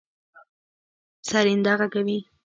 سرېنده غږوي.